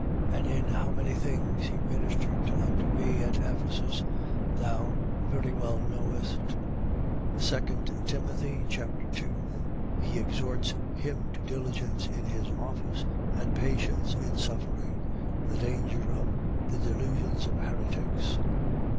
And in how many things he ministered unto me at Ephesus, thou very well knowest. 2 Timothy Chapter 2 He exhorts him to diligence in his office and patience in suffering. The danger of the delusions of heretics.